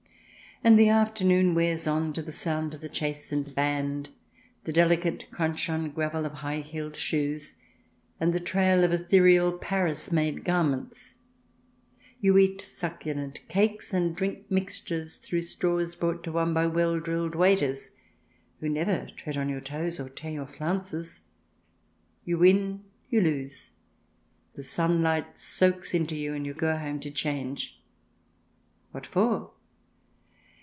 And the afternoon wears on to the sound of the chastened band, the delicate crunch on gravel of high heeled shoes, and the trail of ethereal Paris made garments. You eat succulent cakes and drink mixtures through straws brought to one by well drilled waiters who never tread on your toes or tear your flounces. You win, you lose, the sunlight soaks into you, and you go home to change. What for